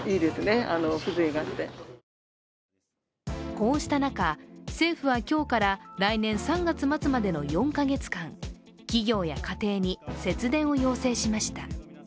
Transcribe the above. こうした中、政府は今日から来年３月末までの４か月間企業や家庭に節電を要請しました。